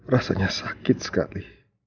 rasanya sakit sekali